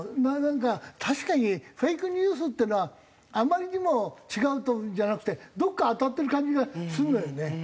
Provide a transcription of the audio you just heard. なんか確かにフェイクニュースっていうのはあまりにも違うとかじゃなくてどこか当たってる感じがするんだよね。